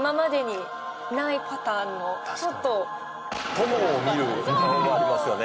友を見る顔もありますよね。